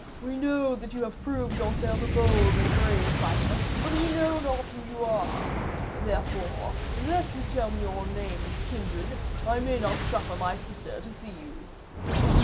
We know that you have proved yourself a bold and brave fighter, but we know not who you are. Therefore, unless you tell me your name and kindred, I may not suffer my sister to see you.'